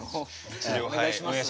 お願いします。